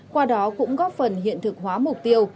qua đó cũng góp phần hiện thực hóa mục tiêu